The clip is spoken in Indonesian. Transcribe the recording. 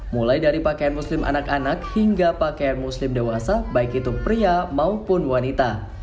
mulai dari pakaian muslim anak anak hingga pakaian muslim dewasa baik itu pria maupun wanita